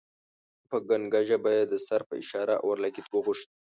په ګنګه ژبه یې د سر په اشاره اورلګیت وغوښت.